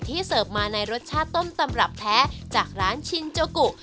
เสิร์ฟมาในรสชาติต้นตำรับแท้จากร้านชินโจกุ